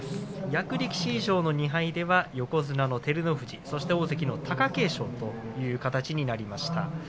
役力士以上の２敗では横綱の照ノ富士、そして大関の貴景勝という形になりました。